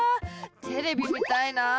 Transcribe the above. テレビ見たいな。